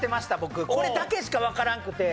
これだけしかわからんくて。